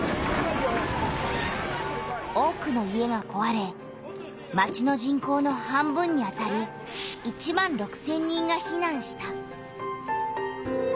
多くの家がこわれ町の人口の半分にあたる１万６千人がひなんした。